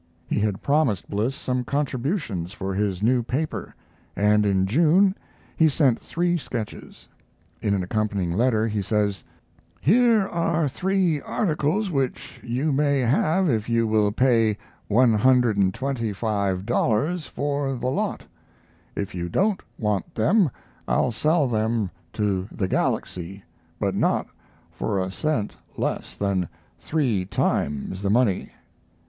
He had promised Bliss some contributions for his new paper, and in June he sent three sketches. In an accompanying letter he says: Here are three articles which you may have if you will pay $125 for the lot. If you don't want them I'll sell them to the Galaxy, but not for a cent less than three times the money....